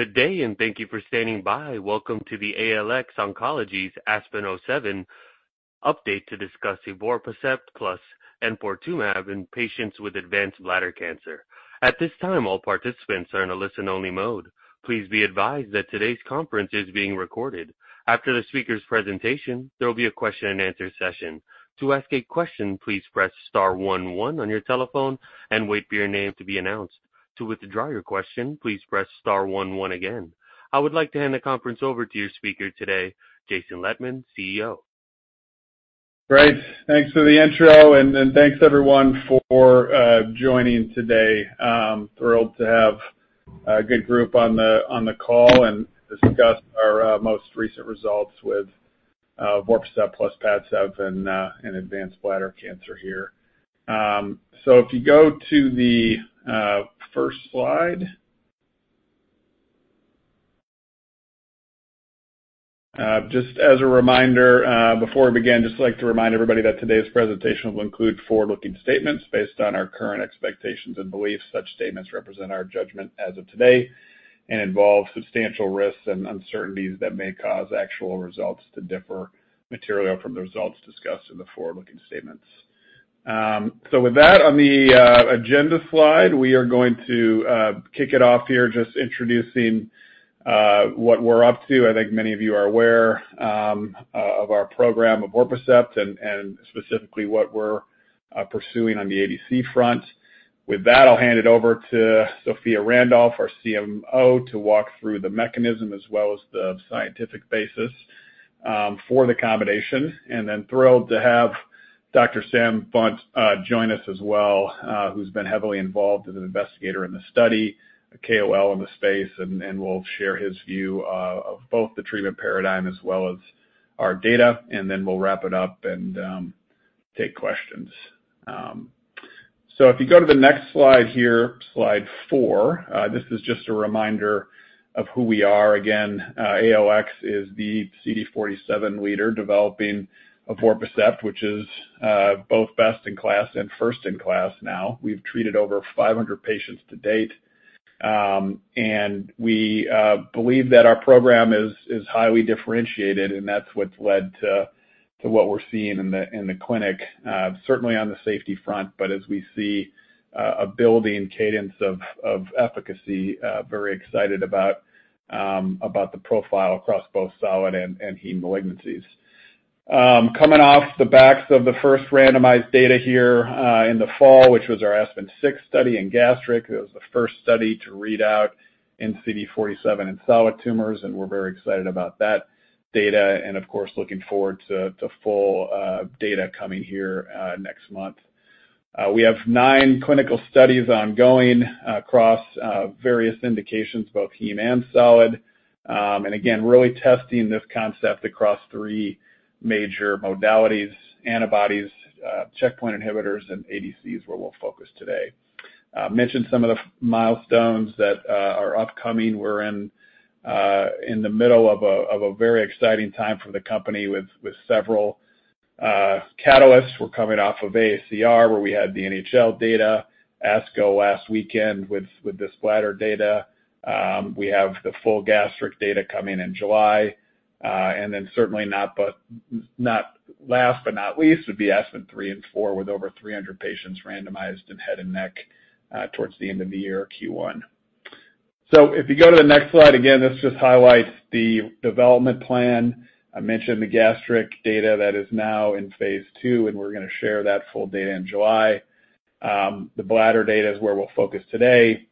Good day, and thank you for standing by. Welcome to the ALX Oncology's ASPEN-07 update to discuss evorpacept plus enfortumab in patients with advanced bladder cancer. At this time, all participants are in a listen-only mode. Please be advised that today's conference is being recorded. After the speaker's presentation, there will be a question-and-answer session. To ask a question, please press star 1-1 on your telephone and wait for your name to be announced. To withdraw your question, please press star 1-1 again. I would like to hand the conference over to your speaker today, Jason Lettmann, CEO. Great. Thanks for the intro, and thanks, everyone, for joining today. Thrilled to have a good group on the call and discuss our most recent results with evorpacept plus PADCEV in advanced bladder cancer here. So if you go to the first slide, just as a reminder, before we begin, I'd just like to remind everybody that today's presentation will include forward-looking statements based on our current expectations and beliefs. Such statements represent our judgment as of today and involve substantial risks and uncertainties that may cause actual results to differ materially from the results discussed in the forward-looking statements. So with that, on the agenda slide, we are going to kick it off here, just introducing what we're up to. I think many of you are aware of our program, evorpacept, and specifically what we're pursuing on the ADC front. With that, I'll hand it over to Sophia Randolph, our CMO, to walk through the mechanism as well as the scientific basis for the combination. And then, thrilled to have Dr. Sam Funt join us as well, who's been heavily involved as an investigator in the study, a KOL in the space, and will share his view of both the treatment paradigm as well as our data. And then we'll wrap it up and take questions. So if you go to the next slide here, slide four, this is just a reminder of who we are. Again, ALX is the CD47 leader developing evorpacept, which is both best in class and first in class now. We've treated over 500 patients to date, and we believe that our program is highly differentiated, and that's what's led to what we're seeing in the clinic, certainly on the safety front, but as we see a building cadence of efficacy, very excited about the profile across both solid and heme malignancies. Coming off the backs of the first randomized data here in the fall, which was our ASPEN-06 study in gastric, it was the first study to read out in CD47 in solid tumors, and we're very excited about that data. And of course, looking forward to full data coming here next month. We have nine clinical studies ongoing across various indications, both heme and solid, and again, really testing this concept across 3 major modalities: antibodies, checkpoint inhibitors, and ADCs, where we'll focus today. I mentioned some of the milestones that are upcoming. We're in the middle of a very exciting time for the company with several catalysts. We're coming off of AACR, where we had the NHL data ASCO last weekend with this bladder data. We have the full gastric data coming in July. And then certainly not last but not least would be ASPEN-03 and ASPEN-04 with over 300 patients randomized and head and neck towards the end of the year, Q1. So if you go to the next slide, again, this just highlights the development plan. I mentioned the gastric data that is now in phase two, and we're going to share that full data in July. The bladder data is where we'll focus today.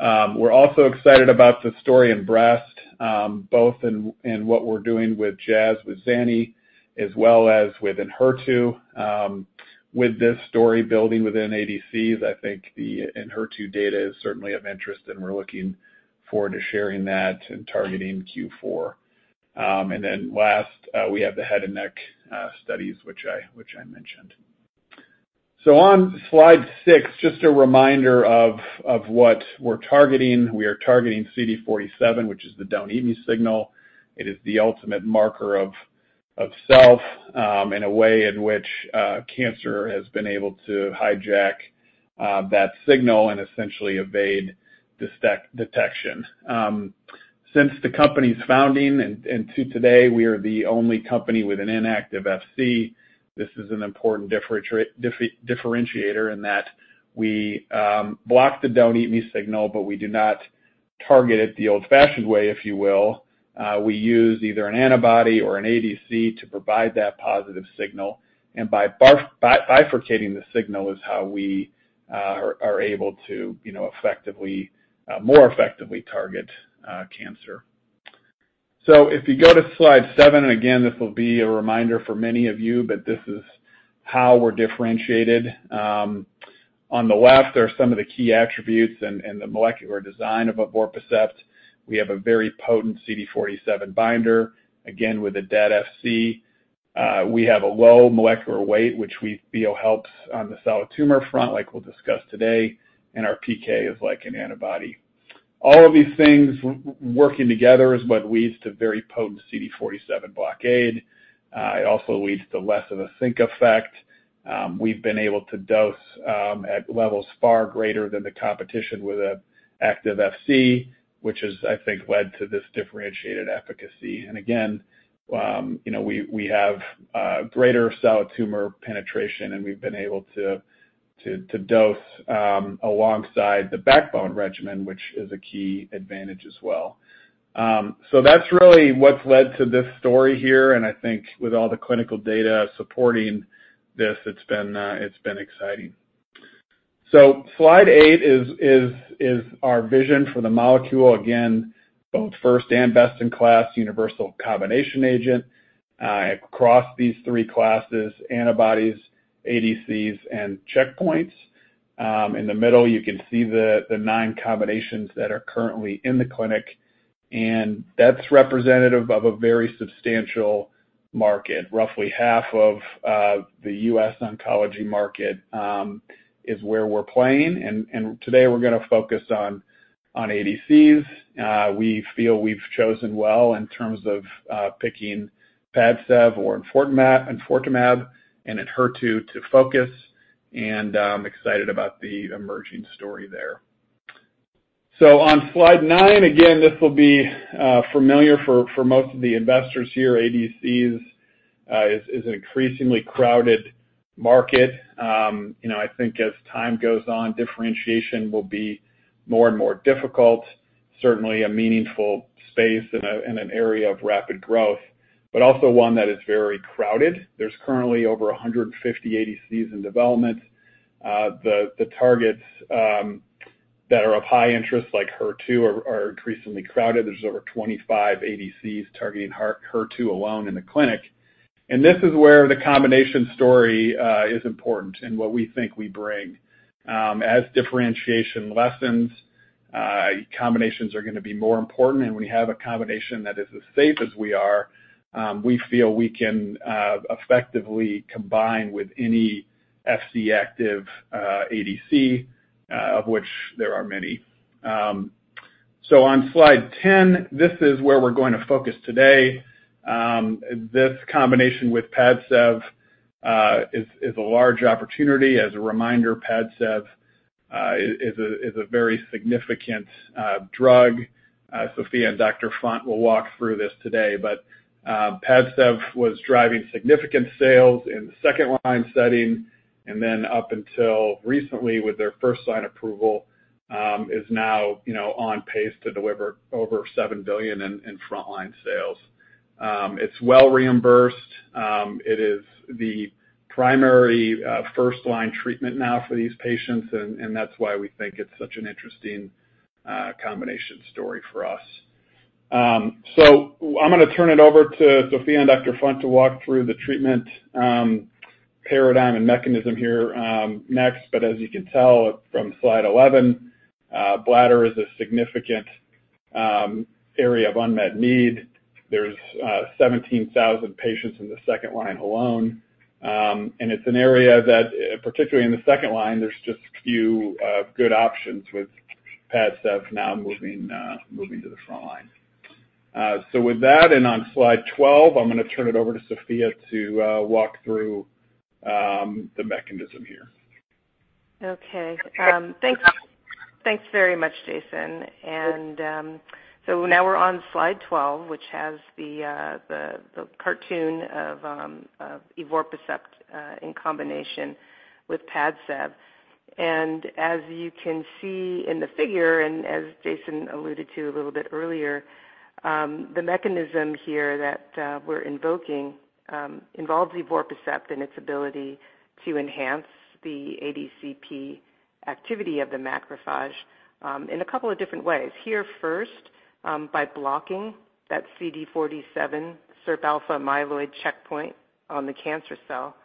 We're also excited about the story in breast, both in what we're doing with Jazz, with zanidatamab, as well as with ENHERTU. With this story building within ADCs, I think the ENHERTU data is certainly of interest, and we're looking forward to sharing that and targeting Q4. And then last, we have the head and neck studies, which I mentioned. So on slide six, just a reminder of what we're targeting. We are targeting CD47, which is the don't-eat-me signal. It is the ultimate marker of self in a way in which cancer has been able to hijack that signal and essentially evade detection. Since the company's founding and to today, we are the only company with an inactive Fc. This is an important differentiator in that we block the don't-eat-me signal, but we do not target it the old-fashioned way, if you will. We use either an antibody or an ADC to provide that positive signal. And by bifurcating the signal is how we are able to more effectively target cancer. So if you go to slide seven, and again, this will be a reminder for many of you, but this is how we're differentiated. On the left are some of the key attributes and the molecular design of evorpacept. We have a very potent CD47 binder, again, with a dead Fc. We have a low molecular weight, which we feel helps on the solid tumor front, like we'll discuss today, and our PK is like an antibody. All of these things working together is what leads to very potent CD47 blockade. It also leads to less of a sink effect. We've been able to dose at levels far greater than the competition with an active Fc, which has, I think, led to this differentiated efficacy. And again, we have greater solid tumor penetration, and we've been able to dose alongside the backbone regimen, which is a key advantage as well. So that's really what's led to this story here. And I think with all the clinical data supporting this, it's been exciting. So slide eight is our vision for the molecule, again, both first and best in class, universal combination agent across these three classes: antibodies, ADCs, and checkpoints. In the middle, you can see the nine combinations that are currently in the clinic, and that's representative of a very substantial market. Roughly half of the U.S. oncology market is where we're playing. And today, we're going to focus on ADCs. We feel we've chosen well in terms of picking PADCEV or enfortumab and ENHERTU to focus, and I'm excited about the emerging story there. So on slide nine, again, this will be familiar for most of the investors here. ADCs is an increasingly crowded market. I think as time goes on, differentiation will be more and more difficult, certainly a meaningful space and an area of rapid growth, but also one that is very crowded. There's currently over 150 ADCs in development. The targets that are of high interest, like Nectin-4, are increasingly crowded. There's over 25 ADCs targeting Nectin-4 alone in the clinic. And this is where the combination story is important and what we think we bring. As differentiation lessens, combinations are going to be more important. And when you have a combination that is as safe as we are, we feel we can effectively combine with any Fc active ADC, of which there are many. So on slide 10, this is where we're going to focus today. This combination with PADCEV is a large opportunity. As a reminder, PADCEV is a very significant drug. Sophia and Dr. Funt will walk through this today. But PADCEV was driving significant sales in the second-line setting, and then up until recently, with their first-line approval, is now on pace to deliver over $7 billion in front-line sales. It's well reimbursed. It is the primary first-line treatment now for these patients, and that's why we think it's such an interesting combination story for us. So I'm going to turn it over to Sophia and Dr. Funt to walk through the treatment paradigm and mechanism here next. But as you can tell from slide 11, bladder is a significant area of unmet need. There's 17,000 patients in the second-line alone. And it's an area that, particularly in the second line, there's just few good options with PADCEV now moving to the front line. So with that, and on slide 12, I'm going to turn it over to Sophia to walk through the mechanism here. Okay. Thanks very much, Jason. And so now we're on slide 12, which has the cartoon of evorpacept in combination with PADCEV. And as you can see in the figure, and as Jason alluded to a little bit earlier, the mechanism here that we're invoking involves evorpacept and its ability to enhance the ADCP activity of the macrophage in a couple of different ways. Here first, by blocking that CD47 SIRPα myeloid checkpoint on the cancer cell,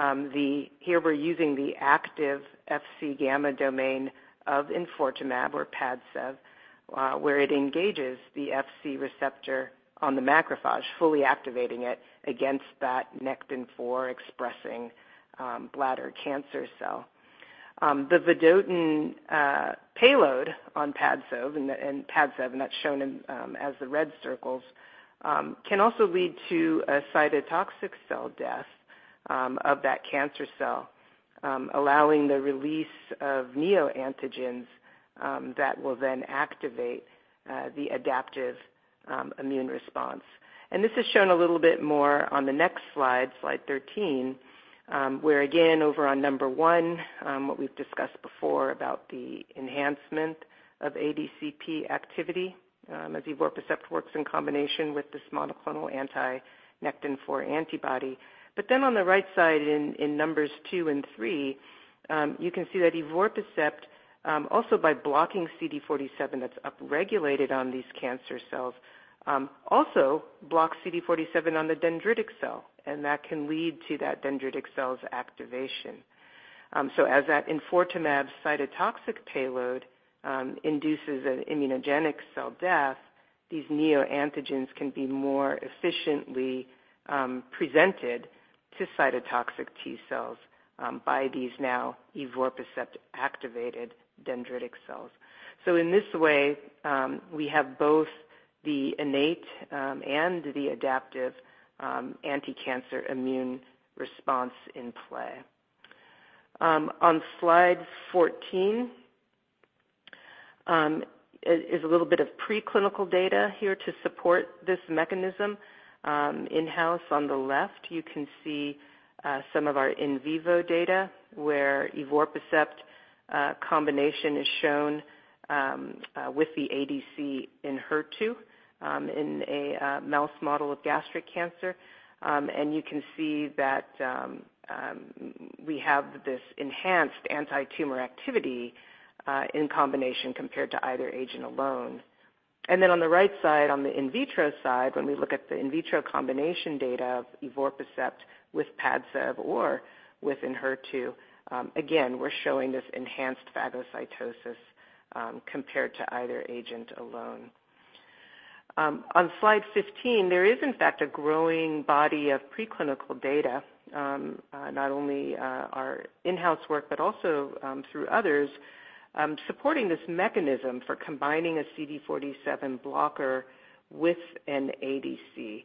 here we're using the active Fc gamma domain of enfortumab or PADCEV, where it engages the Fc receptor on the macrophage, fully activating it against that Nectin-4 expressing bladder cancer cell. The vedotin payload on PADCEV, and that's shown as the red circles, can also lead to a cytotoxic cell death of that cancer cell, allowing the release of neoantigens that will then activate the adaptive immune response. This is shown a little bit more on the next slide, slide 13, where again, over on number one, what we've discussed before about the enhancement of ADCP activity as evorpacept works in combination with this monoclonal anti-Nectin-4 antibody. But then on the right side in numbers two and three, you can see that evorpacept, also by blocking CD47 that's upregulated on these cancer cells, also blocks CD47 on the dendritic cell, and that can lead to that dendritic cell's activation. So as that enfortumab cytotoxic payload induces an immunogenic cell death, these neoantigens can be more efficiently presented to cytotoxic T cells by these now evorpacept-activated dendritic cells. So in this way, we have both the innate and the adaptive anti-cancer immune response in play. On slide 14, it is a little bit of preclinical data here to support this mechanism. In-house, on the left, you can see some of our in vivo data where evorpacept combination is shown with the ADC ENHERTU in a mouse model of gastric cancer. And you can see that we have this enhanced anti-tumor activity in combination compared to either agent alone. And then on the right side, on the in vitro side, when we look at the in vitro combination data of evorpacept with PADCEV or with ENHERTU, again, we're showing this enhanced phagocytosis compared to either agent alone. On slide 15, there is in fact a growing body of preclinical data, not only our in-house work, but also through others, supporting this mechanism for combining a CD47 blocker with an ADC.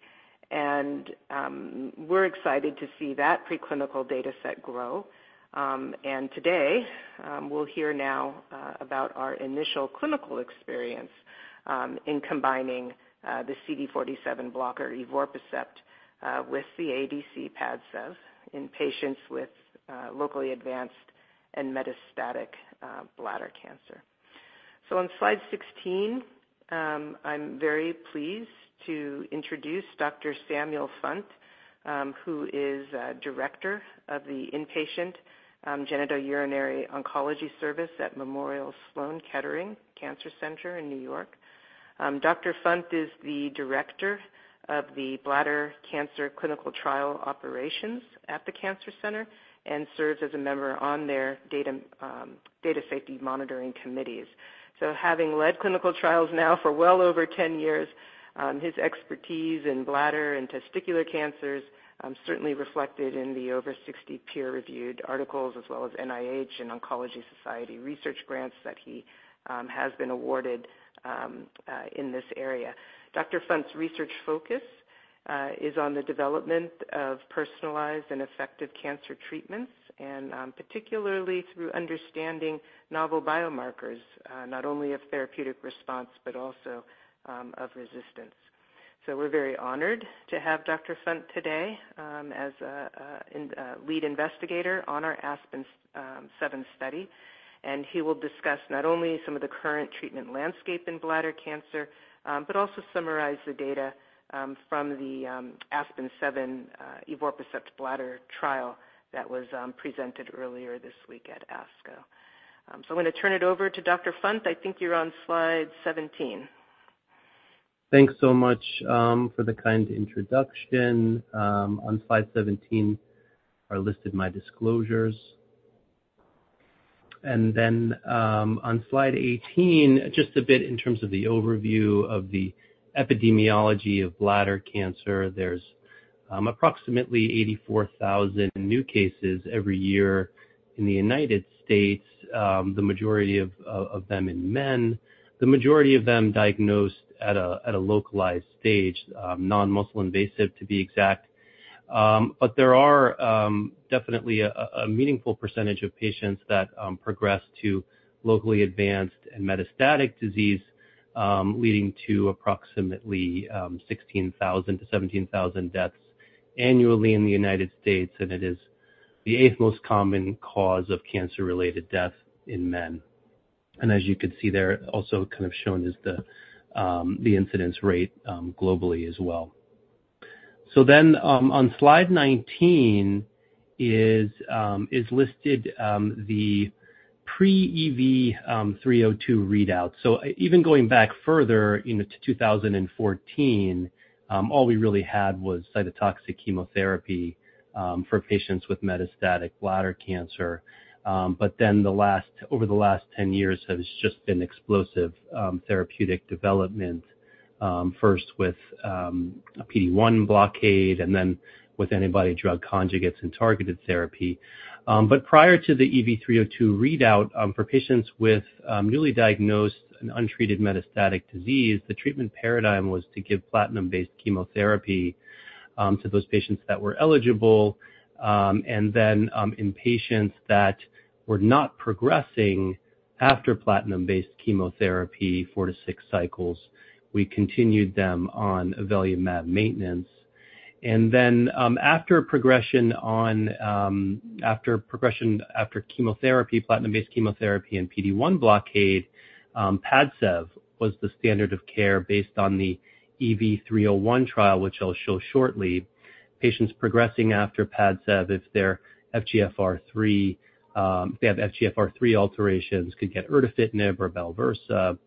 And we're excited to see that preclinical data set grow. Today, we'll hear now about our initial clinical experience in combining the CD47 blocker evorpacept with the ADC PADCEV in patients with locally advanced and metastatic bladder cancer. On slide 16, I'm very pleased to introduce Dr. Samuel Funt, who is director of the inpatient genitourinary oncology service at Memorial Sloan Kettering Cancer Center in New York. Dr. Funt is the director of the bladder cancer clinical trial operations at the cancer center and serves as a member on their data safety monitoring committees. Having led clinical trials now for well over 10 years, his expertise in bladder and testicular cancers certainly reflected in the over 60 peer-reviewed articles as well as NIH and Oncology Society research grants that he has been awarded in this area. Dr. Funt's research focus is on the development of personalized and effective cancer treatments, and particularly through understanding novel biomarkers, not only of therapeutic response, but also of resistance. We're very honored to have Dr. Funt today as a lead investigator on our ASPEN-7 study. He will discuss not only some of the current treatment landscape in bladder cancer, but also summarize the data from the ASPEN-7 evorpacept bladder trial that was presented earlier this week at ASCO. I'm going to turn it over to Dr. Funt. I think you're on slide 17. Thanks so much for the kind introduction. On slide 17, I listed my disclosures. Then on slide 18, just a bit in terms of the overview of the epidemiology of bladder cancer, there's approximately 84,000 new cases every year in the United States, the majority of them in men, the majority of them diagnosed at a localized stage, non-muscle invasive to be exact. There are definitely a meaningful percentage of patients that progress to locally advanced and metastatic disease, leading to approximately 16,000 deaths-17,000 deaths annually in the United States. It is the eighth most common cause of cancer-related death in men. As you can see there, also kind of shown is the incidence rate globally as well. Then on slide 19 is listed the pre-EV-302 readouts. So even going back further into 2014, all we really had was cytotoxic chemotherapy for patients with metastatic bladder cancer. But then over the last 10 years, there's just been explosive therapeutic development, first with PD-1 blockade and then with antibody drug conjugates and targeted therapy. But prior to the EV-302 readout for patients with newly diagnosed and untreated metastatic disease, the treatment paradigm was to give platinum-based chemotherapy to those patients that were eligible. And then in patients that were not progressing after platinum-based chemotherapy four to six cycles, we continued them on avelumab maintenance. And then after progression on chemotherapy, platinum-based chemotherapy, and PD-1 blockade, Padcev was the standard of care based on the EV-301 trial, which I'll show shortly. Patients progressing after Padcev, if they have FGFR3 alterations, could get erdafitinib or Balversa.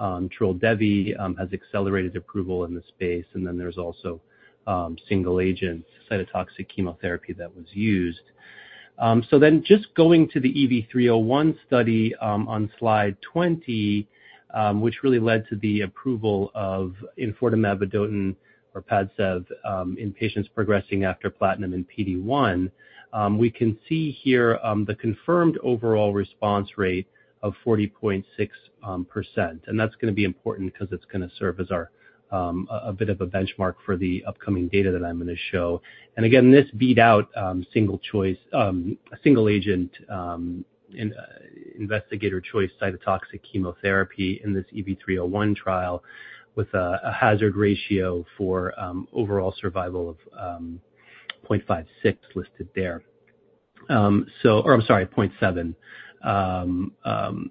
Trodelvy has accelerated approval in the space. Then there's also single-agent cytotoxic chemotherapy that was used. Then just going to the EV-301 study on slide 20, which really led to the approval of enfortumab vedotin or PADCEV in patients progressing after platinum and PD-1, we can see here the confirmed overall response rate of 40.6%. And that's going to be important because it's going to serve as a bit of a benchmark for the upcoming data that I'm going to show. And again, this beat out single-agent investigator choice cytotoxic chemotherapy in this EV-301 trial with a hazard ratio for overall survival of 0.56 listed there. Or I'm sorry, 0.7,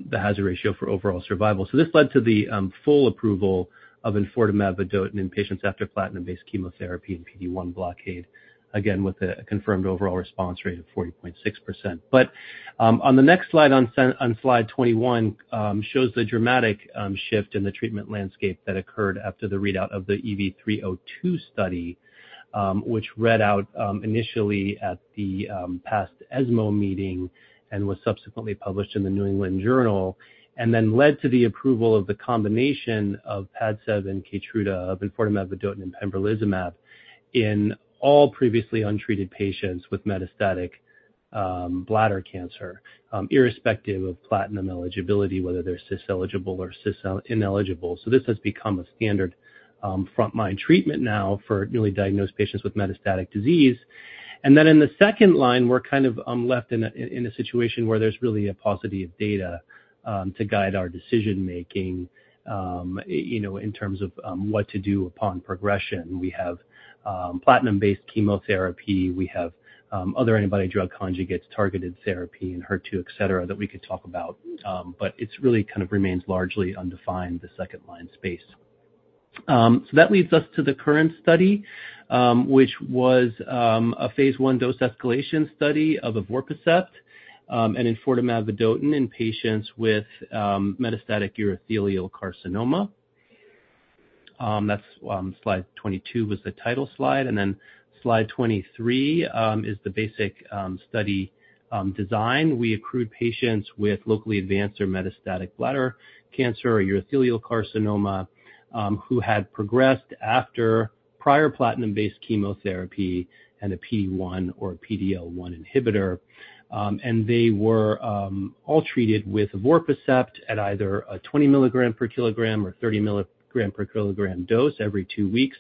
the hazard ratio for overall survival. This led to the full approval of enfortumab vedotin in patients after platinum-based chemotherapy and PD-1 blockade, again, with a confirmed overall response rate of 40.6%. But on the next slide on slide 21 shows the dramatic shift in the treatment landscape that occurred after the readout of the EV-302 study, which read out initially at the past ESMO meeting and was subsequently published in the New England Journal, and then led to the approval of the combination of PADCEV and KEYTRUDA, of enfortumab vedotin, and pembrolizumab in all previously untreated patients with metastatic bladder cancer, irrespective of platinum eligibility, whether they're cis-eligible or cis-ineligible. So this has become a standard front-line treatment now for newly diagnosed patients with metastatic disease. And then in the second line, we're kind of left in a situation where there's really a paucity of data to guide our decision-making in terms of what to do upon progression. We have platinum-based chemotherapy. We have other antibody drug conjugates, targeted therapy, and HER2, etc., that we could talk about. But it really kind of remains largely undefined in the second-line space. So that leads us to the current study, which was a phase 1 dose escalation study of evorpacept and enfortumab vedotin in patients with metastatic urothelial carcinoma. That's slide 22 was the title slide. And then slide 23 is the basic study design. We accrued patients with locally advanced or metastatic bladder cancer or urothelial carcinoma who had progressed after prior platinum-based chemotherapy and a PD-1 or PD-L1 inhibitor. And they were all treated with evorpacept at either a 20 milligrams per kilogram or 30 milligrams per kilogram dose every 2 weeks,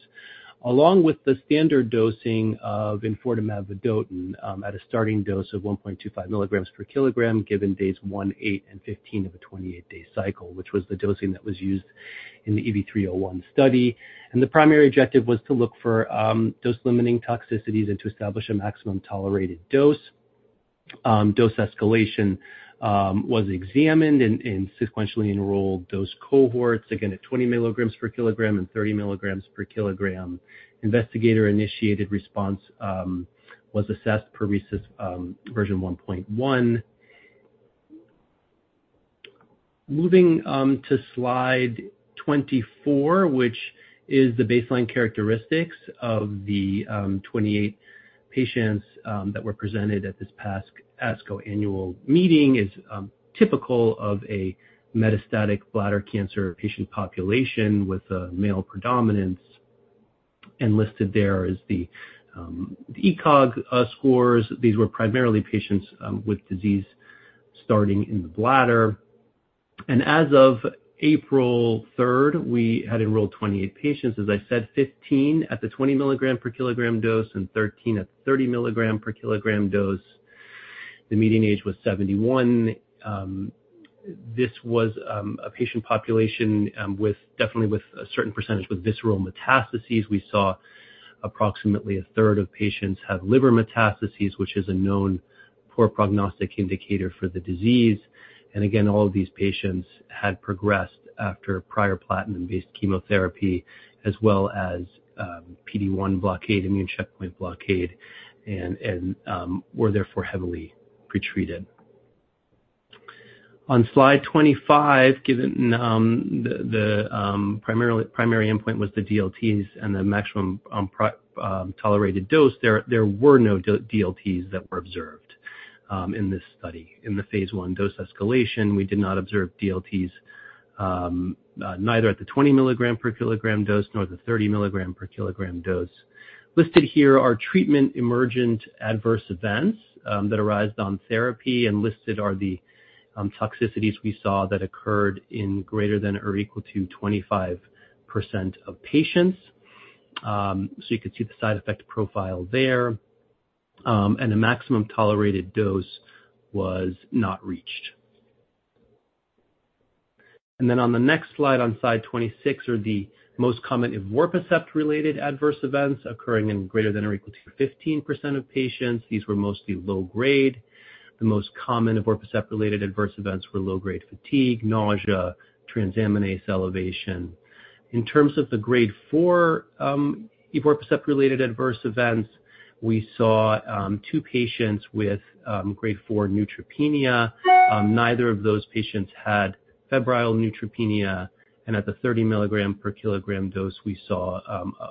along with the standard dosing of enfortumab vedotin at a starting dose of 1.25 milligrams per kilogram given days one ,eight and 15 of a 28-day cycle, which was the dosing that was used in the EV-301 study. The primary objective was to look for dose-limiting toxicities and to establish a maximum tolerated dose. Dose escalation was examined in sequentially enrolled dose cohorts, again, at 20 milligrams per kilogram and 30 milligrams per kilogram. Investigator-initiated response was assessed per RECIST version 1.1. Moving to slide 24, which is the baseline characteristics of the 28 patients that were presented at this past ASCO annual meeting, is typical of a metastatic bladder cancer patient population with a male predominance. Listed there is the ECOG scores. These were primarily patients with disease starting in the bladder. As of April 3rd, we had enrolled 28 patients. As I said, 15 at the 20 milligram per kilogram dose and 13 at the 30 milligram per kilogram dose. The median age was 71. This was a patient population definitely with a certain percentage with visceral metastases. We saw approximately a third of patients have liver metastases, which is a known poor prognostic indicator for the disease. Again, all of these patients had progressed after prior platinum-based chemotherapy as well as PD-1 blockade, immune checkpoint blockade, and were therefore heavily pretreated. On slide 25, given the primary endpoint was the DLTs and the maximum tolerated dose, there were no DLTs that were observed in this study in the phase 1 dose escalation. We did not observe DLTs neither at the 20 milligrams per kilogram dose nor the 30 milligrams per kilogram dose. Listed here are treatment emergent adverse events that arose on therapy. Listed are the toxicities we saw that occurred in greater than or equal to 25% of patients. So you could see the side effect profile there. The maximum tolerated dose was not reached. Then on the next slide, slide 26, are the most common evorpacept-related adverse events occurring in greater than or equal to 15% of patients. These were mostly low-grade. The most common evorpacept-related adverse events were low-grade fatigue, nausea, transaminase elevation. In terms of the grade 4 evorpacept-related adverse events, we saw 2 patients with grade 4 neutropenia. Neither of those patients had febrile neutropenia. At the 30 mg/kg dose, we saw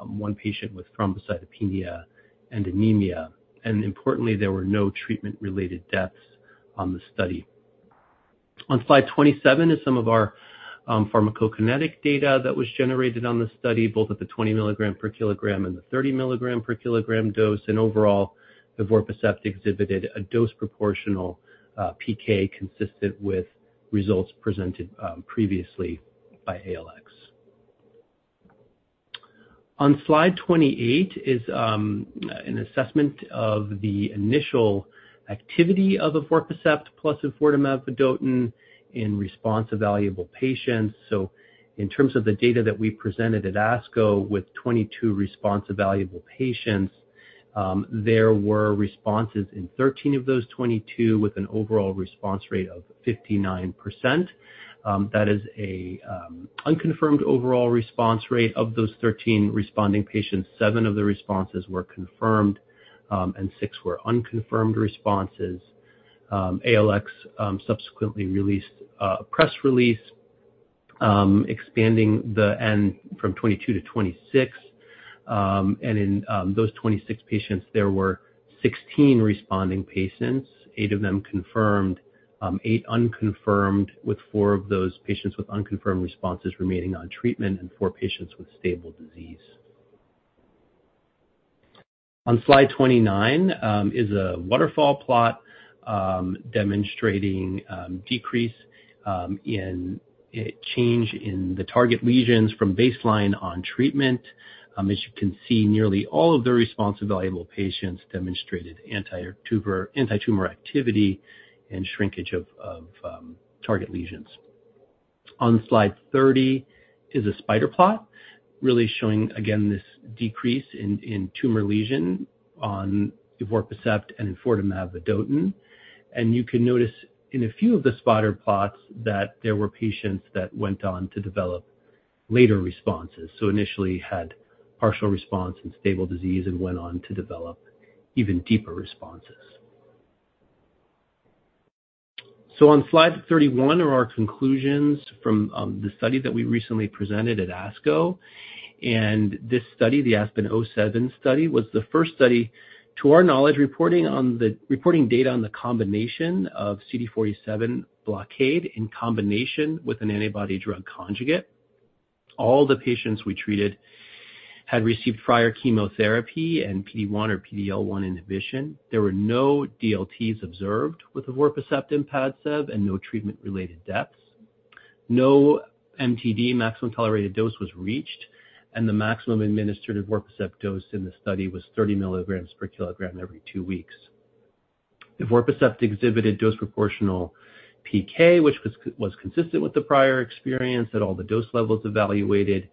one patient with thrombocytopenia and anemia. Importantly, there were no treatment-related deaths on the study. On slide 27 is some of our pharmacokinetic data that was generated on the study, both at the 20 mg/kg and the 30 mg/kg dose. Overall, evorpacept exhibited a dose-proportional PK consistent with results presented previously by ALX. On slide 28 is an assessment of the initial activity of evorpacept plus enfortumab vedotin in evaluable patients. So in terms of the data that we presented at ASCO with 22 evaluable patients, there were responses in 13 of those 22 with an overall response rate of 59%. That is an unconfirmed overall response rate of those 13 responding patients. Seven of the responses were confirmed, and six were unconfirmed responses. ALX subsequently released a press release expanding the n from 22 to 26. And in those 26 patients, there were 16 responding patients, 8 of them confirmed, 8 unconfirmed, with 4 of those patients with unconfirmed responses remaining on treatment and 4 patients with stable disease. On slide 29 is a waterfall plot demonstrating decrease in change in the target lesions from baseline on treatment. As you can see, nearly all of the evaluable patients demonstrated anti-tumor activity and shrinkage of target lesions. On slide 30 is a spider plot really showing, again, this decrease in tumor lesions on evorpacept and enfortumab vedotin. And you can notice in a few of the spider plots that there were patients that went on to develop later responses. So initially had partial response and stable disease and went on to develop even deeper responses. So on slide 31 are our conclusions from the study that we recently presented at ASCO. And this study, the ASPEN-07 study, was the first study to our knowledge reporting data on the combination of CD47 blockade in combination with an antibody-drug conjugate. All the patients we treated had received prior chemotherapy and PD-1 or PD-L1 inhibition. There were no DLTs observed with evorpacept and PADCEV and no treatment-related deaths. No MTD maximum tolerated dose was reached. The maximum administered evorpacept dose in the study was 30 milligrams per kilogram every two weeks. Evorpacept exhibited dose-proportional PK, which was consistent with the prior experience at all the dose levels evaluated.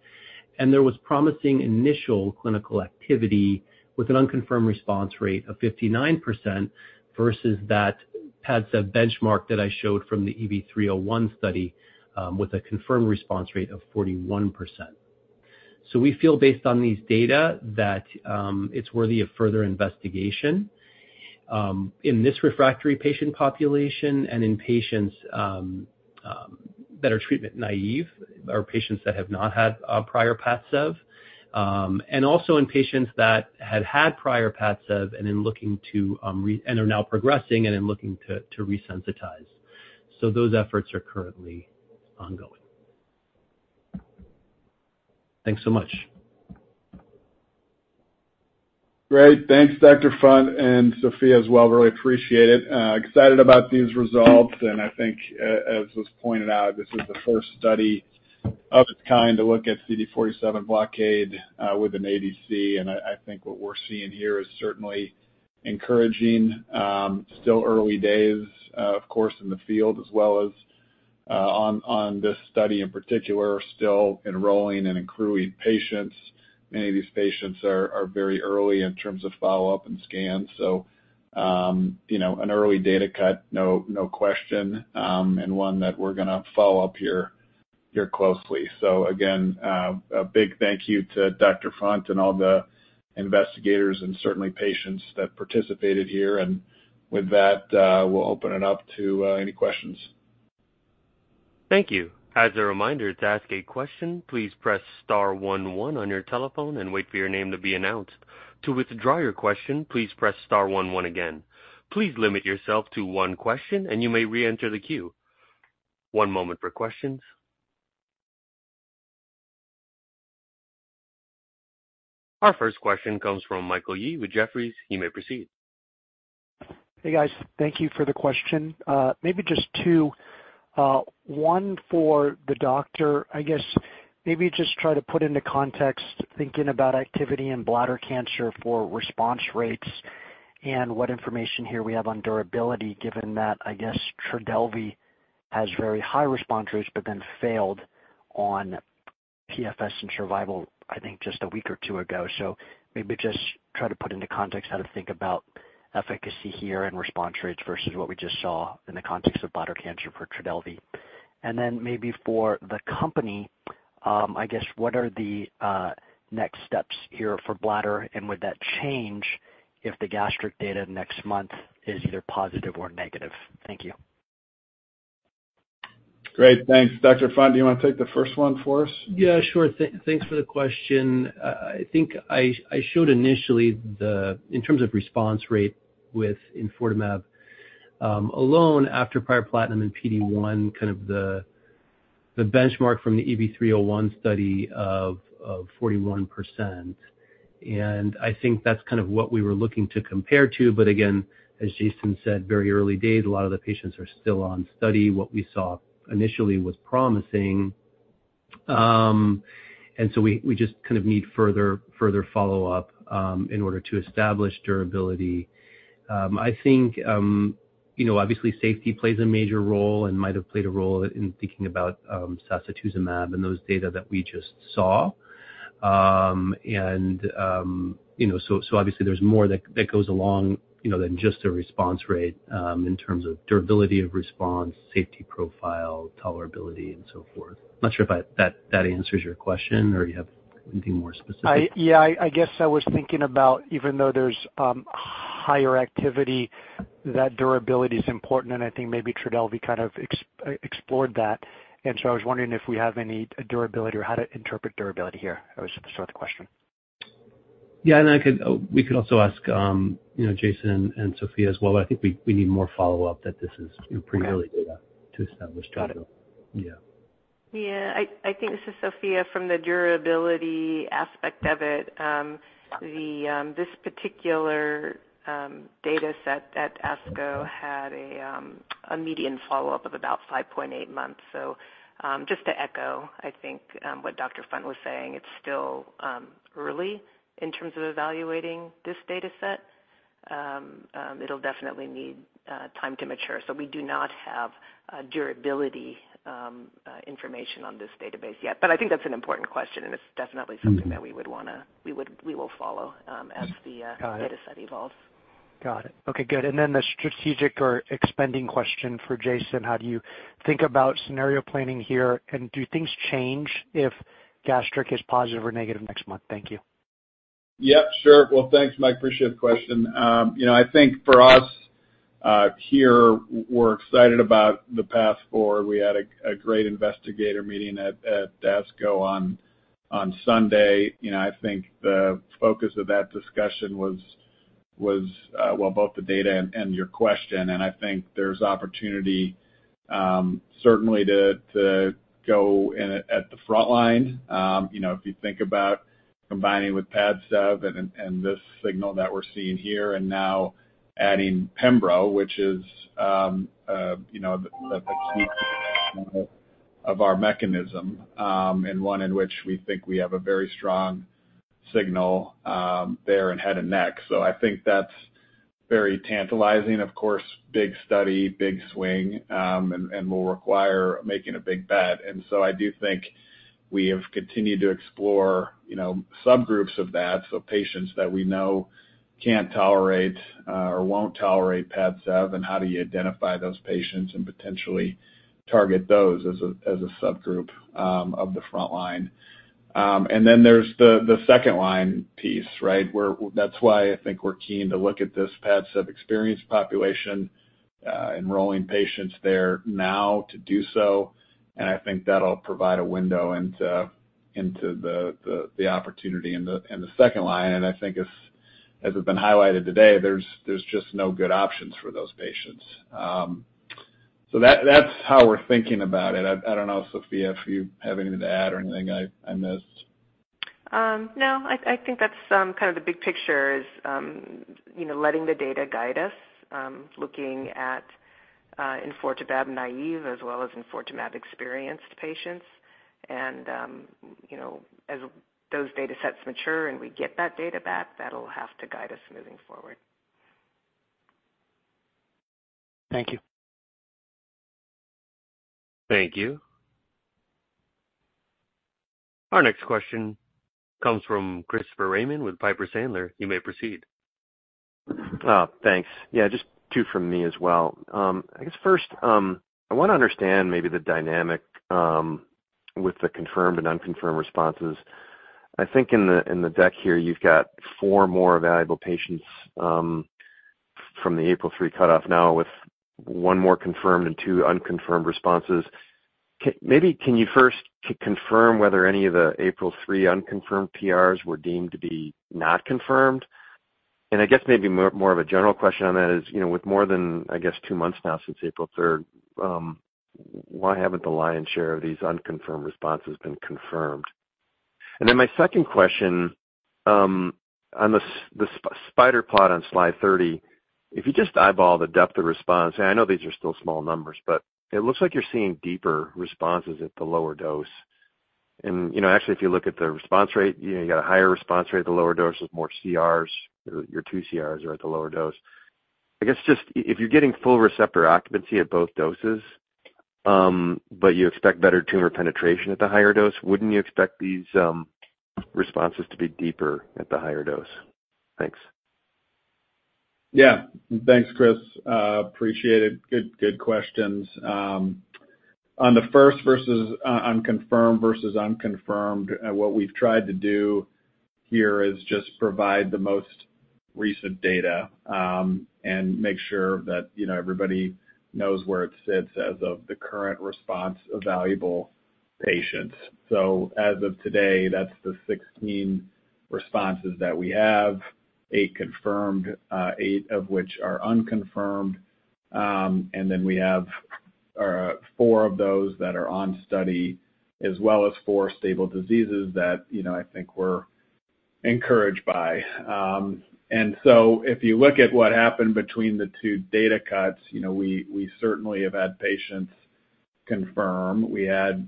There was promising initial clinical activity with an unconfirmed response rate of 59% versus that PADCEV benchmark that I showed from the EV-301 study with a confirmed response rate of 41%. So we feel based on these data that it's worthy of further investigation in this refractory patient population and in patients that are treatment naive or patients that have not had prior PADCEV, and also in patients that had had prior PADCEV and are now progressing and are looking to resensitize. So those efforts are currently ongoing. Thanks so much. Great. Thanks, Dr. Funt and Sophia as well. Really appreciate it. Excited about these results. And I think, as was pointed out, this is the first study of its kind to look at CD47 blockade with an ADC. And I think what we're seeing here is certainly encouraging. Still early days, of course, in the field as well as on this study in particular, still enrolling and accruing patients. Many of these patients are very early in terms of follow-up and scans. So an early data cut, no question, and one that we're going to follow up here closely. So again, a big thank you to Dr. Funt and all the investigators and certainly patients that participated here. And with that, we'll open it up to any questions. Thank you. As a reminder, to ask a question, please press star 11 on your telephone and wait for your name to be announced. To withdraw your question, please press star 11 again. Please limit yourself to one question, and you may re-enter the queue. One moment for questions. Our first question comes from Michael Yee with Jefferies. He may proceed. Hey, guys. Thank you for the question. Maybe just two. One for the doctor. I guess maybe just try to put into context thinking about activity in bladder cancer for response rates and what information here we have on durability, given that, I guess, Trodelvy has very high response rates but then failed on PFS and survival, I think, just a week or two ago. So maybe just try to put into context how to think about efficacy here and response rates versus what we just saw in the context of bladder cancer for Trodelvy. And then maybe for the company, I guess, what are the next steps here for bladder? And would that change if the gastric data next month is either positive or negative? Thank you. Great. Thanks. Dr. Funt, do you want to take the first one for us? Yeah, sure. Thanks for the question. I think I showed initially in terms of response rate with enfortumab alone after prior platinum and PD-1, kind of the benchmark from the EV-301 study of 41%. I think that's kind of what we were looking to compare to. But again, as Jason said, very early days, a lot of the patients are still on study. What we saw initially was promising. And so we just kind of need further follow-up in order to establish durability. I think, obviously, safety plays a major role and might have played a role in thinking about sacituzumab and those data that we just saw. And so obviously, there's more that goes along than just the response rate in terms of durability of response, safety profile, tolerability, and so forth. I'm not sure if that answers your question or you have anything more specific. Yeah. I guess I was thinking about, even though there's higher activity, that durability is important. And I think maybe Trodelvy kind of explored that. And so I was wondering if we have any durability or how to interpret durability here. That was the sort of the question. Yeah. We could also ask Jason and Sophia as well. I think we need more follow-up that this is pretty early data to establish durability. Yeah. Yeah. I think this is Sophia from the durability aspect of it. This particular data set at ASCO had a median follow-up of about 5.8 months. So just to echo, I think, what Dr. Funt was saying, it's still early in terms of evaluating this data set. It'll definitely need time to mature. So we do not have durability information on this database yet. But I think that's an important question. And it's definitely something that we would want to we will follow as the data set evolves. Got it. Okay. Good. And then the strategic or expanding question for Jason, how do you think about scenario planning here? And do things change if gastric is positive or negative next month? Thank you. Yep. Sure. Well, thanks, Mike. Appreciate the question. I think for us here, we're excited about the path forward. We had a great investigator meeting at ASCO on Sunday. I think the focus of that discussion was, well, both the data and your question. I think there's opportunity certainly to go at the front line. If you think about combining with PADCEV and this signal that we're seeing here and now adding pembro, which is the key component of our mechanism, and one in which we think we have a very strong signal there and head and neck. So I think that's very tantalizing. Of course, big study, big swing, and will require making a big bet. I do think we have continued to explore subgroups of that. So patients that we know can't tolerate or won't tolerate PADCEV, and how do you identify those patients and potentially target those as a subgroup of the front line? And then there's the second line piece, right? That's why I think we're keen to look at this PADCEV experienced population, enrolling patients there now to do so. And I think that'll provide a window into the opportunity in the second line. And I think, as has been highlighted today, there's just no good options for those patients. So that's how we're thinking about it. I don't know, Sophia, if you have anything to add or anything I missed. No. I think that's kind of the big picture is letting the data guide us, looking at enfortumab naive as well as enfortumab experienced patients. As those data sets mature and we get that data back, that'll have to guide us moving forward. Thank you. Thank you. Our next question comes from Christopher Raymond with Piper Sandler. You may proceed. Thanks. Yeah. Just two from me as well. I guess first, I want to understand maybe the dynamic with the confirmed and unconfirmed responses. I think in the deck here, you've got four more evaluable patients from the April 3 cutoff now with one more confirmed and two unconfirmed responses. Maybe can you first confirm whether any of the April 3 unconfirmed PRs were deemed to be not confirmed? And I guess maybe more of a general question on that is, with more than, I guess, two months now since April 3rd, why haven't the lion's share of these unconfirmed responses been confirmed? And then my second question, on the spider plot on slide 30, if you just eyeball the depth of response, and I know these are still small numbers, but it looks like you're seeing deeper responses at the lower dose. Actually, if you look at the response rate, you got a higher response rate at the lower dose with more CRs. Your 2 CRs are at the lower dose. I guess just if you're getting full receptor occupancy at both doses, but you expect better tumor penetration at the higher dose, wouldn't you expect these responses to be deeper at the higher dose? Thanks. Yeah. Thanks, Chris. Appreciate it. Good questions. On the confirmed versus unconfirmed versus unconfirmed, what we've tried to do here is just provide the most recent data and make sure that everybody knows where it sits as of the current response-evaluable patients. So as of today, that's the 16 responses that we have, 8 confirmed, 8 of which are unconfirmed. And then we have 4 of those that are on study as well as 4 stable diseases that I think we're encouraged by. And so if you look at what happened between the 2 data cuts, we certainly have had patients confirm. We had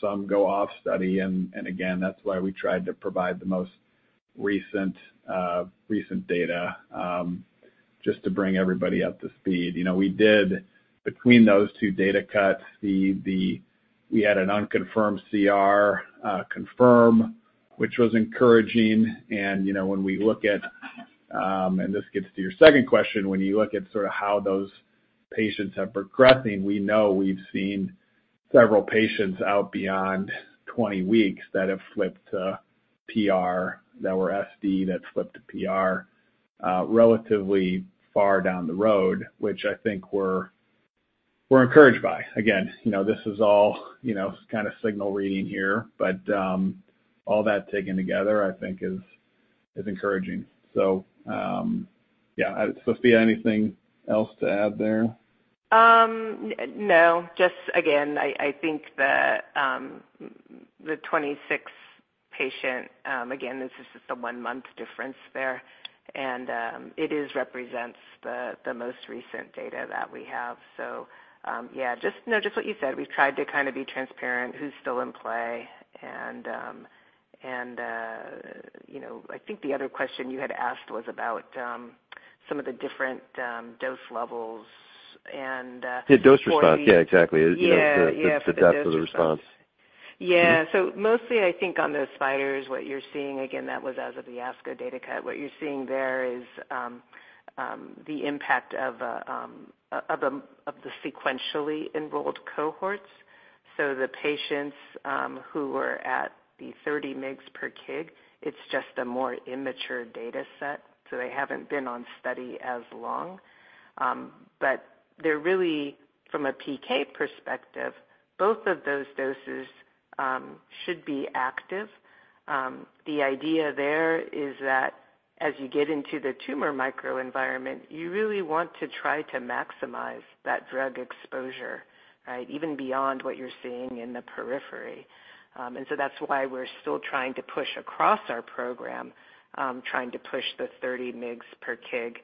some go off study. And again, that's why we tried to provide the most recent data just to bring everybody up to speed. We did, between those 2 data cuts, we had an unconfirmed CR confirm, which was encouraging. When we look at, and this gets to your second question, when you look at sort of how those patients have progressing, we know we've seen several patients out beyond 20 weeks that have flipped to PR that were SD that flipped to PR relatively far down the road, which I think we're encouraged by. Again, this is all kind of signal reading here. All that taken together, I think, is encouraging. So yeah. Sophia, anything else to add there? No. Just again, I think the 26 patient, again, this is just a one-month difference there. It represents the most recent data that we have. So yeah, just what you said. We've tried to kind of be transparent who's still in play. And I think the other question you had asked was about some of the different dose levels and. Yeah. Dose response. Yeah. Exactly. The depth of the response. Yeah. So mostly, I think on the spiders, what you're seeing, again, that was as of the ASCO data cut. What you're seeing there is the impact of the sequentially enrolled cohorts. So the patients who were at the 30 mg/kg, it's just a more immature data set. So they haven't been on study as long. But really, from a PK perspective, both of those doses should be active. The idea there is that as you get into the tumor microenvironment, you really want to try to maximize that drug exposure, right, even beyond what you're seeing in the periphery. And so that's why we're still trying to push across our program, trying to push the 30 mg/kg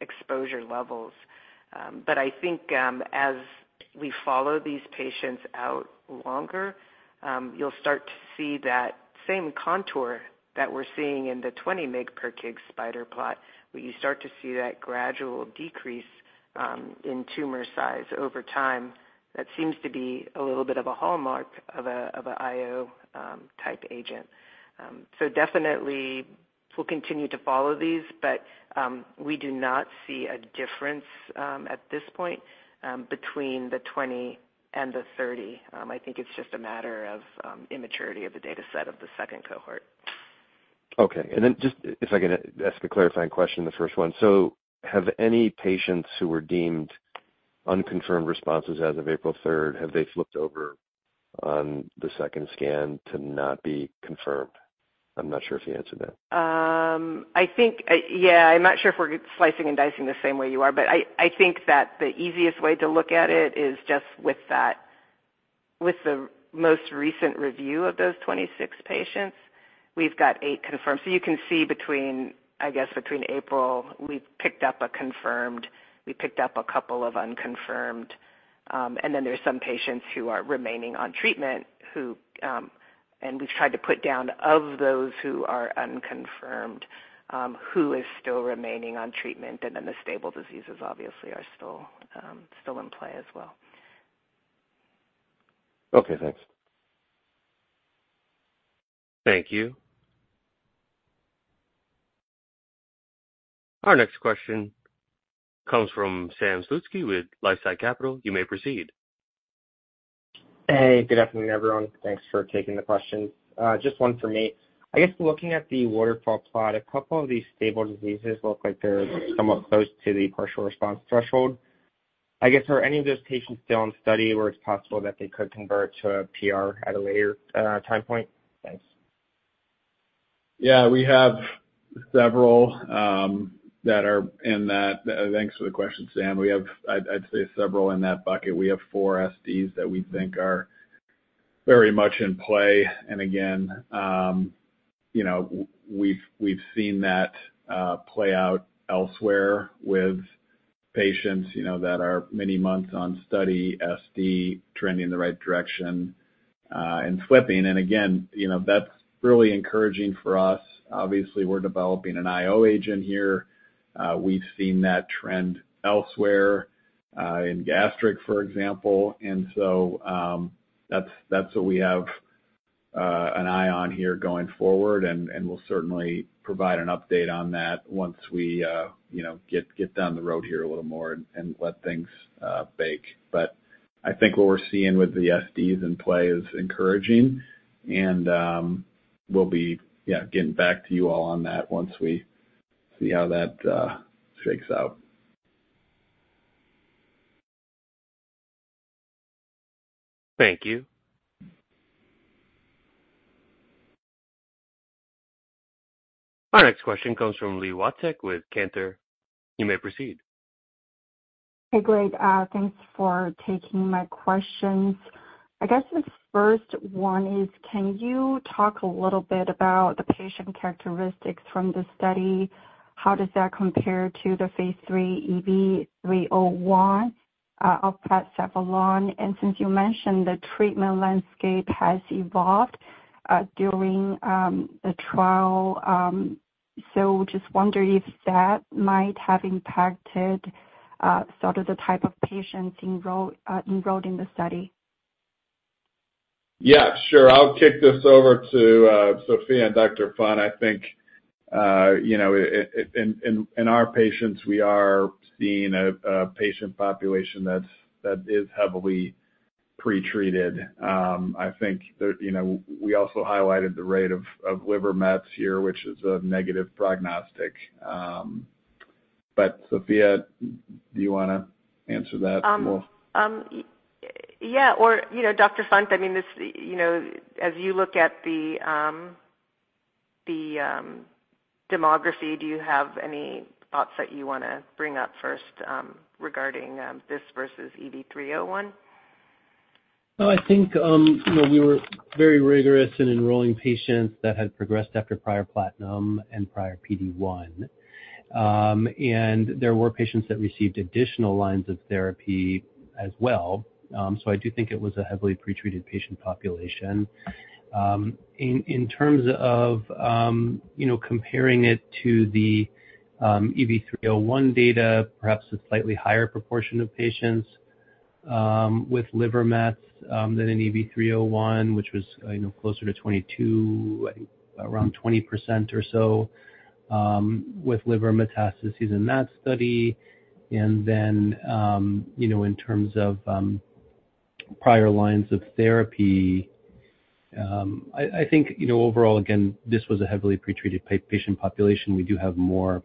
exposure levels. But I think as we follow these patients out longer, you'll start to see that same contour that we're seeing in the 20 mg per kg spider plot, where you start to see that gradual decrease in tumor size over time. That seems to be a little bit of a hallmark of an IO-type agent. So definitely, we'll continue to follow these. But we do not see a difference at this point between the 20 and the 30. I think it's just a matter of immaturity of the data set of the second cohort. Okay. And then just if I can ask a clarifying question, the first one. So have any patients who were deemed unconfirmed responses as of April 3rd, have they flipped over on the second scan to not be confirmed? I'm not sure if you answered that. Yeah. I'm not sure if we're slicing and dicing the same way you are. But I think that the easiest way to look at it is just with the most recent review of those 26 patients. We've got 8 confirmed. So you can see, I guess, between April, we've picked up a confirmed. We picked up a couple of unconfirmed. And then there's some patients who are remaining on treatment. And we've tried to put down of those who are unconfirmed who is still remaining on treatment. And then the stable diseases obviously are still in play as well. Okay. Thanks. Thank you. Our next question comes from Sam Slutsky with LifeSci Capital. You may proceed. Hey. Good afternoon, everyone. Thanks for taking the questions. Just one for me. I guess looking at the waterfall plot, a couple of these stable diseases look like they're somewhat close to the partial response threshold. I guess, are any of those patients still on study where it's possible that they could convert to a PR at a later time point? Thanks. Yeah. We have several that are in that. Thanks for the question, Sam. We have, I'd say, several in that bucket. We have 4 SDs that we think are very much in play. And again, we've seen that play out elsewhere with patients that are many months on study, SD trending in the right direction, and flipping. And again, that's really encouraging for us. Obviously, we're developing an IO agent here. We've seen that trend elsewhere in gastric, for example. And so that's what we have an eye on here going forward. And we'll certainly provide an update on that once we get down the road here a little more and let things bake. But I think what we're seeing with the SDs in play is encouraging. And we'll be getting back to you all on that once we see how that shakes out. Thank you. Our next question comes from Li Watsek with Cantor. You may proceed. Hey, Greg. Thanks for taking my questions. I guess the first one is, can you talk a little bit about the patient characteristics from the study? How does that compare to the phase 3 EV-301 of PADCEV? And since you mentioned the treatment landscape has evolved during the trial, so just wonder if that might have impacted sort of the type of patients enrolled in the study? Yeah. Sure. I'll kick this over to Sophia and Dr. Funt. I think in our patients, we are seeing a patient population that is heavily pretreated. I think we also highlighted the rate of liver mets here, which is a negative prognostic. But Sophia, do you want to answer that more? Yeah. Dr. Funt, I mean, as you look at the demographics, do you have any thoughts that you want to bring up first regarding this versus EV-301? Well, I think we were very rigorous in enrolling patients that had progressed after prior platinum and prior PD-1. And there were patients that received additional lines of therapy as well. So I do think it was a heavily pretreated patient population. In terms of comparing it to the EV-301 data, perhaps a slightly higher proportion of patients with liver mets than in EV-301, which was closer to 22%, around 20% or so with liver metastases in that study. And then in terms of prior lines of therapy, I think overall, again, this was a heavily pretreated patient population. We do have more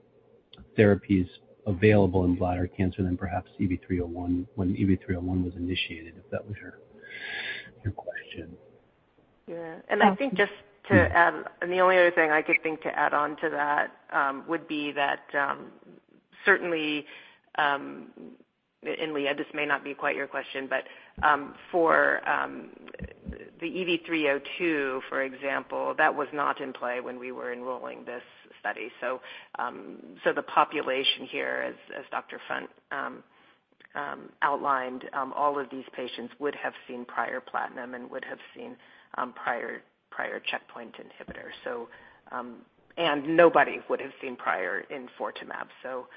therapies available in bladder cancer than perhaps EV-301 when EV-301 was initiated, if that was your question. Yeah. And I think just to add, and the only other thing I could think to add on to that would be that certainly, and Lee, this may not be quite your question, but for the EV302, for example, that was not in play when we were enrolling this study. So the population here, as Dr. Funt outlined, all of these patients would have seen prior platinum and would have seen prior checkpoint inhibitor. And nobody would have seen prior enfortumab. So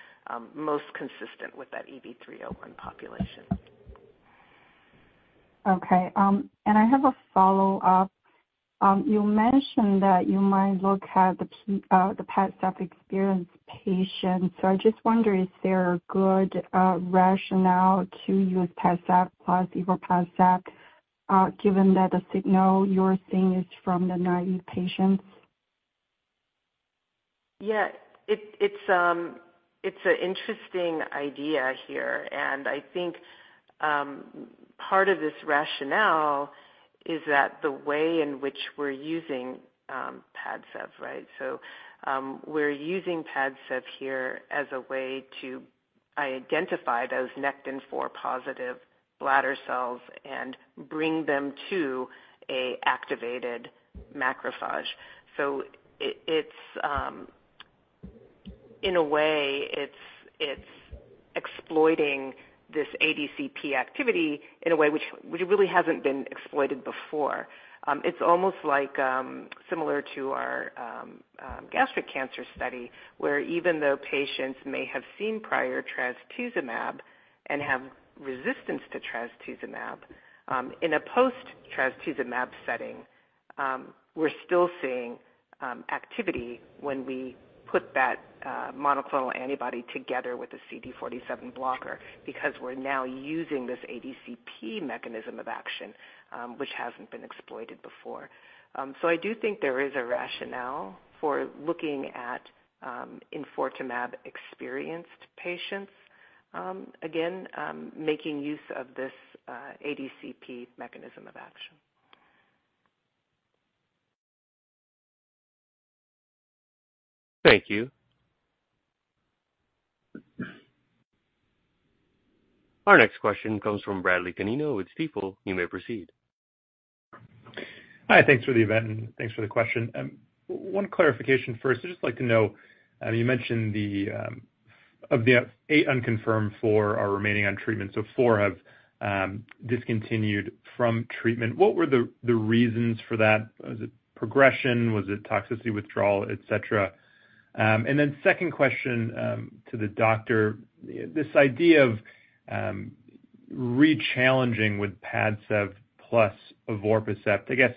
most consistent with that EV-301 population. Okay. And I have a follow-up. You mentioned that you might look at the PADCEV experienced patients. So I just wonder, is there a good rationale to use PADCEV plus evorpacept given that the signal you're seeing is from the naive patients? Yeah. It's an interesting idea here. And I think part of this rationale is that the way in which we're using PADCEV, right? So we're using PADCEV here as a way to identify those Nectin-4 positive bladder cells and bring them to an activated macrophage. So in a way, it's exploiting this ADCP activity in a way which really hasn't been exploited before. It's almost similar to our gastric cancer study where even though patients may have seen prior trastuzumab and have resistance to trastuzumab, in a post-trastuzumab setting, we're still seeing activity when we put that monoclonal antibody together with a CD47 blocker because we're now using this ADCP mechanism of action, which hasn't been exploited before. So I do think there is a rationale for looking at enfortumab experienced patients, again, making use of this ADCP mechanism of action. Thank you. Our next question comes from Bradley Canino with Stifel. You may proceed. Hi. Thanks for the event. And thanks for the question. One clarification first. I'd just like to know, you mentioned of the 8 unconfirmed 4 are remaining on treatment. So 4 have discontinued from treatment. What were the reasons for that? Was it progression? Was it toxicity withdrawal, etc.? And then second question to the doctor, this idea of re-challenging with PADCEV plus evorpacept. I guess,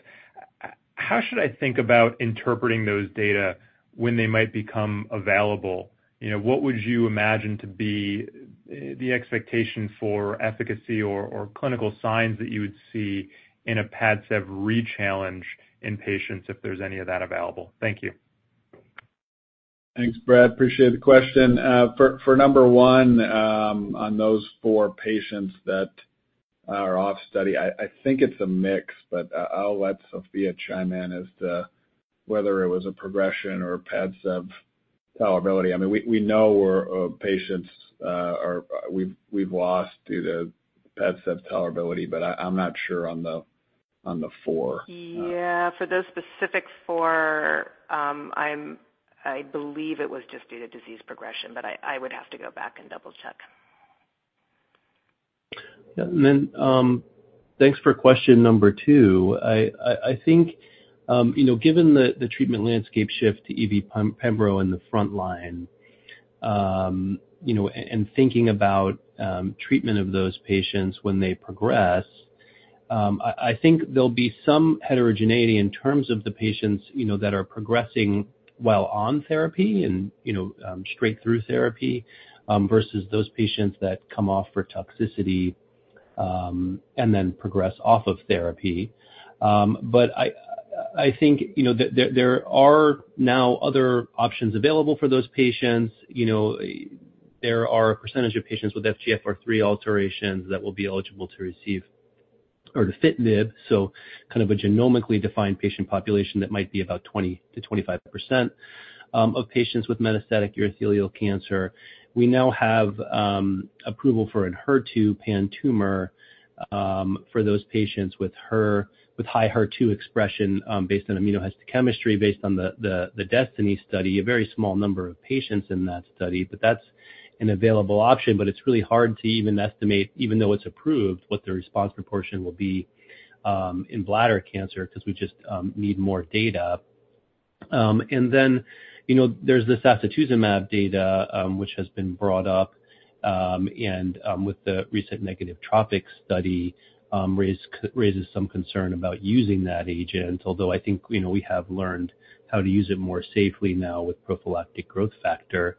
how should I think about interpreting those data when they might become available? What would you imagine to be the expectation for efficacy or clinical signs that you would see in a PADCEV re-challenge in patients if there's any of that available? Thank you. Thanks, Brad. Appreciate the question. For number one, on those four patients that are off study, I think it's a mix. But I'll let Sophia chime in as to whether it was a progression or PADCEV tolerability. I mean, we know patients we've lost due to PADCEV tolerability. But I'm not sure on the four. Yeah. For those specific four, I believe it was just due to disease progression. But I would have to go back and double-check. Yeah. And then thanks for question number two. I think given the treatment landscape shift to EV-pembrolizumab in the front line and thinking about treatment of those patients when they progress, I think there'll be some heterogeneity in terms of the patients that are progressing while on therapy and straight-through therapy versus those patients that come off for toxicity and then progress off of therapy. But I think there are now other options available for those patients. There are a percentage of patients with FGFR3 alterations that will be eligible to receive erdafitinib, so kind of a genomically defined patient population that might be about 20%-25% of patients with metastatic urothelial cancer. We now have approval for an HER2 pan-tumor for those patients with high HER2 expression based on immunohistochemistry based on the DESTINY study, a very small number of patients in that study. But that's an available option. But it's really hard to even estimate, even though it's approved, what the response proportion will be in bladder cancer because we just need more data. And then there's the sacituzumab data which has been brought up. And with the recent negative TROPiCS study, raises some concern about using that agent, although I think we have learned how to use it more safely now with prophylactic growth factor.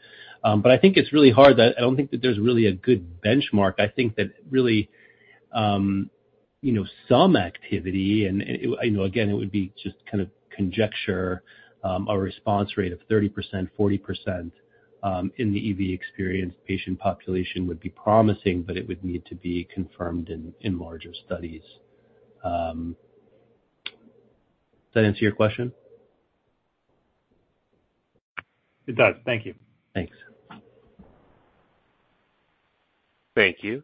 But I think it's really hard. I don't think that there's really a good benchmark. I think that really some activity, and again, it would be just kind of conjecture, a response rate of 30%, 40% in the EV experienced patient population would be promising. But it would need to be confirmed in larger studies. Does that answer your question? It does. Thank you. Thanks. Thank you.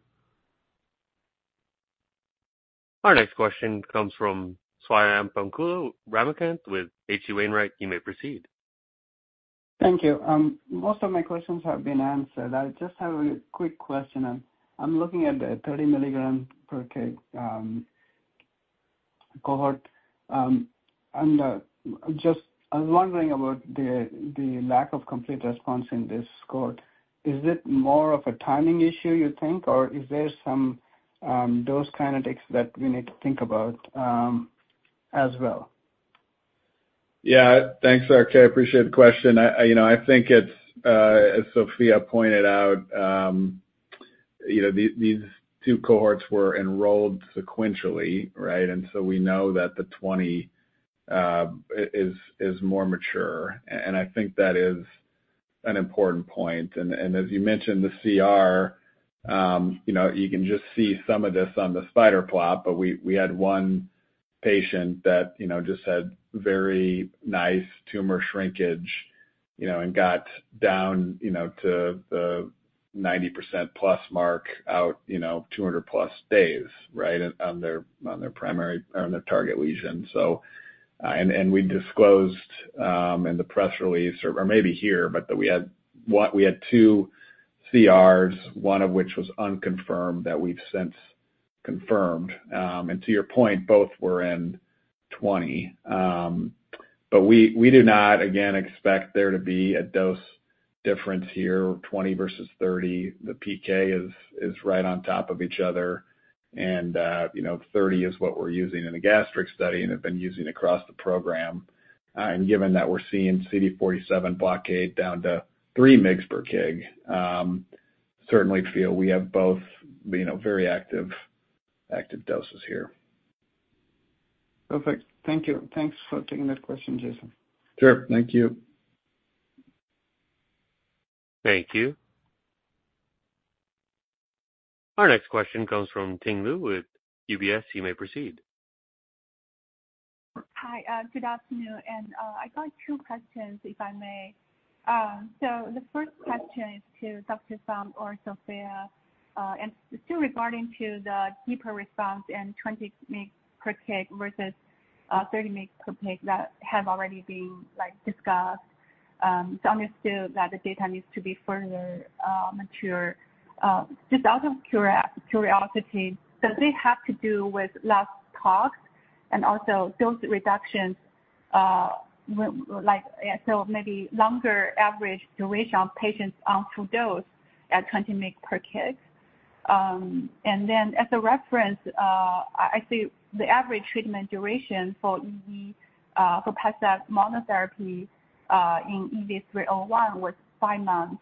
Our next question comes from Swayampakula Ramakanth with H.C. Wainwright. You may proceed. Thank you. Most of my questions have been answered. I just have a quick question. I'm looking at the 30 milligram per k cohort. And just I was wondering about the lack of complete response in this cohort. Is it more of a timing issue, you think? Or is there some dose kinetics that we need to think about as well? Yeah. Thanks, RK. Okay. I appreciate the question. I think, as Sophia pointed out, these two cohorts were enrolled sequentially, right? And so we know that the 20 is more mature. And I think that is an important point. And as you mentioned, the CR, you can just see some of this on the spider plot. But we had one patient that just had very nice tumor shrinkage and got down to the 90%+ mark out 200+ days, right, on their primary or on their target lesion. And we disclosed in the press release, or maybe here, but we had 2 CRs, one of which was unconfirmed that we've since confirmed. And to your point, both were in 20. But we do not, again, expect there to be a dose difference here, 20 versus 30. The PK is right on top of each other. 30 is what we're using in the gastric study and have been using across the program. Given that we're seeing CD47 blockade down to 3 mg/kg, certainly feel we have both very active doses here. Perfect. Thank you. Thanks for taking that question, Jason. Sure. Thank you. Thank you. Our next question comes from Ting Liu with UBS. You may proceed. Hi. Good afternoon. I got two questions, if I may. So the first question is to Dr. Funt or Sophia. Still regarding the deeper response and 20 mg/kg versus 30 mg/kg that have already been discussed, it's understood that the data needs to be further mature. Just out of curiosity, does it have to do with less tox and also dose reductions? So maybe longer average duration of patients on full dose at 20 mg/kg. Then as a reference, I see the average treatment duration for PADCEV monotherapy in EV-301 was 5 months.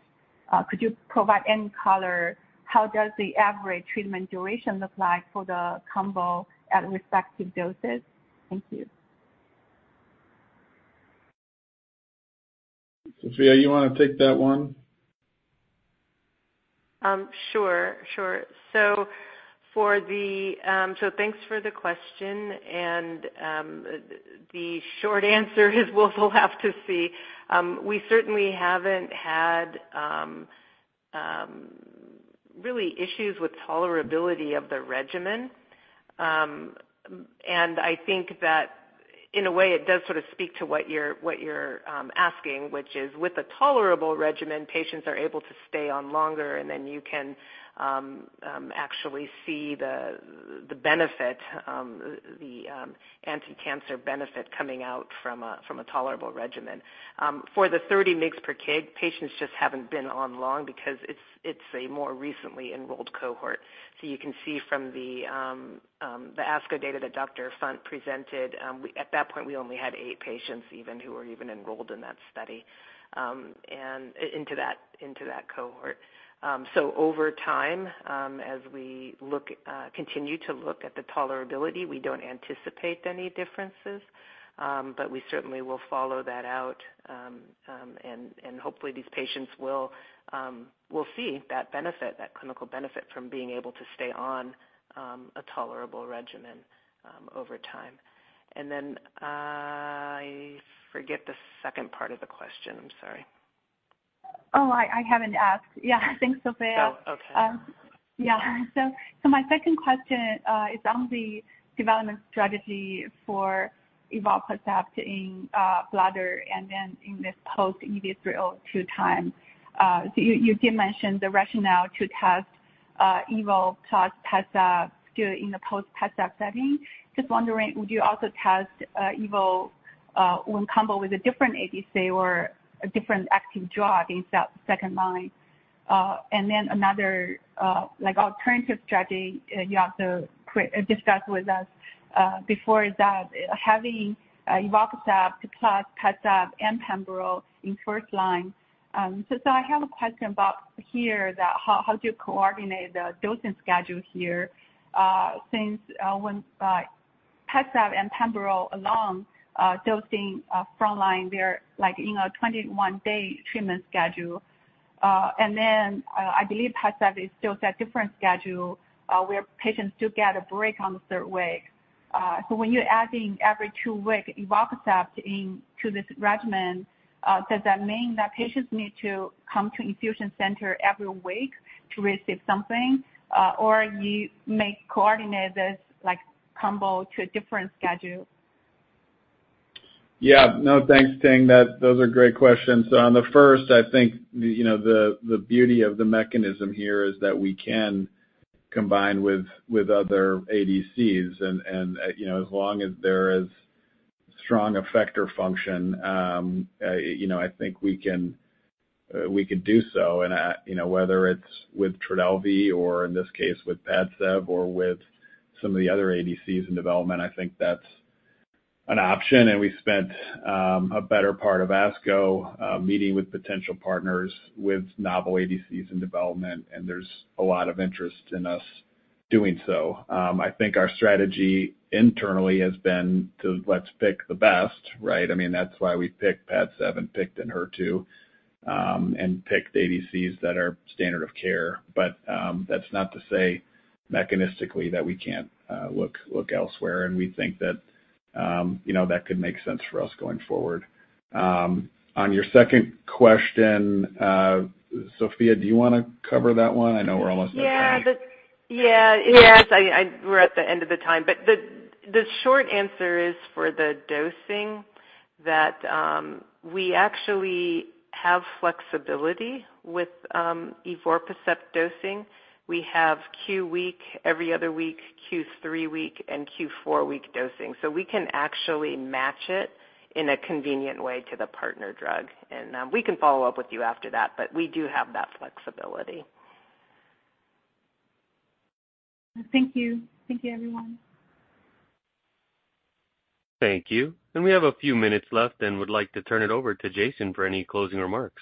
Could you provide any color? How does the average treatment duration look like for the combo at respective doses? Thank you. Sophia, you want to take that one? Sure. Sure. So thanks for the question. And the short answer is we'll have to see. We certainly haven't had real issues with tolerability of the regimen. And I think that in a way, it does sort of speak to what you're asking, which is with a tolerable regimen, patients are able to stay on longer. And then you can actually see the benefit, the anti-cancer benefit coming out from a tolerable regimen. For the 30 mg/kg, patients just haven't been on long because it's a more recently enrolled cohort. So you can see from the ASCO data that Dr. Funt presented, at that point, we only had eight patients who were enrolled in that study into that cohort. So over time, as we continue to look at the tolerability, we don't anticipate any differences. But we certainly will follow that out. Hopefully, these patients will see that benefit, that clinical benefit from being able to stay on a tolerable regimen over time. And then I forget the second part of the question. I'm sorry. Oh, I haven't asked. Yeah. Thanks, Sophia. Yeah. So my second question is on the development strategy for evorpacept in bladder and then in this post-EV-302 time. So you did mention the rationale to test EVO plus Padcev still in the post-Padcev setting. Just wondering, would you also test EVO in combo with a different ADC or a different active drug in that second line? And then another alternative strategy you also discussed with us before is that having evorpacept plus Padcev and pembrolizumab in first line. So I have a question about that how do you coordinate the dosing schedule here since when Padcev and pembrolizumab alone dosing front line, they're in a 21-day treatment schedule. And then I believe Padcev is still on a different schedule where patients do get a break on the third week. So when you're adding every two weeks evorpacept into this regimen, does that mean that patients need to come to infusion center every week to receive something? Or you may coordinate this combo to a different schedule? Yeah. No, thanks, Ting. Those are great questions. So on the first, I think the beauty of the mechanism here is that we can combine with other ADCs. And as long as there is strong effector function, I think we can do so. And whether it's with Trodelvy or in this case with PADCEV or with some of the other ADCs in development, I think that's an option. And we spent a better part of ASCO meeting with potential partners with novel ADCs in development. And there's a lot of interest in us doing so. I think our strategy internally has been to let's pick the best, right? I mean, that's why we picked PADCEV, picked ENHERTU, and picked ADCs that are standard of care. But that's not to say mechanistically that we can't look elsewhere. And we think that that could make sense for us going forward. On your second question, Sophia, do you want to cover that one? I know we're almost at the end. Yeah. Yeah. Yes. We're at the end of the time. But the short answer is for the dosing that we actually have flexibility with evorpacept dosing. We have Q week, every other week, Q three week, and Q four week dosing. So we can actually match it in a convenient way to the partner drug. And we can follow up with you after that. But we do have that flexibility. Thank you. Thank you, everyone. Thank you. We have a few minutes left and would like to turn it over to Jason for any closing remarks.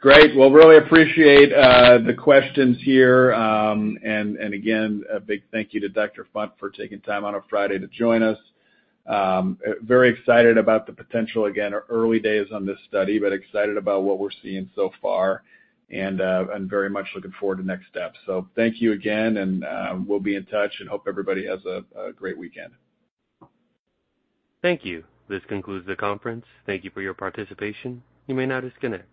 Great. Well, really appreciate the questions here. And again, a big thank you to Dr. Funt for taking time on a Friday to join us. Very excited about the potential, again, early days on this study, but excited about what we're seeing so far. And very much looking forward to next steps. So thank you again. And we'll be in touch. And hope everybody has a great weekend. Thank you. This concludes the conference. Thank you for your participation. You may now disconnect.